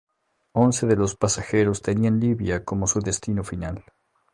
Once de los pasajeros tenían Libia como su destino final.